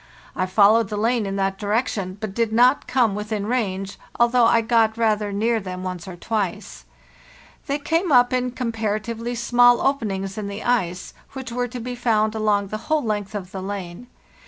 I followed the lane in that direction, but did not come within range, although I got rather near them once or twice. They came up in comparatively small openings in the ice, which were to be found along the whole length of the lane.